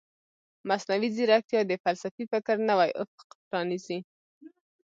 مصنوعي ځیرکتیا د فلسفي فکر نوی افق پرانیزي.